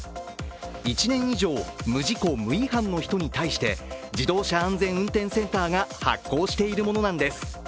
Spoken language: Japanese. １年以上、無事故無違反の人に対して自動車安全運転センターが発行しているものなんです。